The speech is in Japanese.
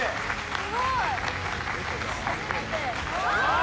すごい。